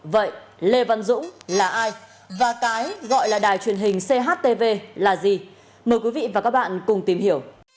vậy lê văn dũng là ai và cái gọi là đài truyền hình chtv là gì mời quý vị và các bạn cùng tìm hiểu